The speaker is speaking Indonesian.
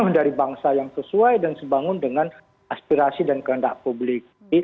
dari bangsa yang sesuai dan sebangun dengan aspirasi dan kehendak publik